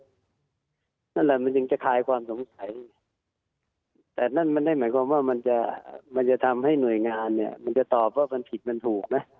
อันนั้นนั่นมันจึงจะทลายความสงสัยแต่นั่นมันเรียกว่ามันจะทำให้หน่วยงานมันจะตอบว่ามันผิดมันถูกนะ